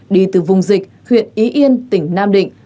đi từ vùng dịch huyện ý yên tỉnh nam định